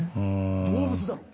動物だろ。